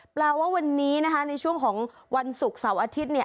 แปลว่าวันนี้นะคะในช่วงของวันศุกร์เสาร์อาทิตย์เนี่ย